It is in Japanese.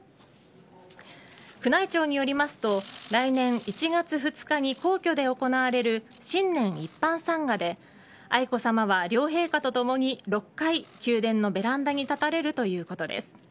宮内庁によりますと来年１月２日に皇居で行われる新年一般参賀で愛子さまは両陛下とともに６回、宮殿のベランダに立たれるということです。